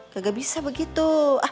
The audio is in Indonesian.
kagak bisa begitu